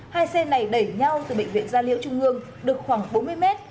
hai xe này đẩy nhau từ bệnh viện gia liễu trung ương được khoảng bốn mươi mét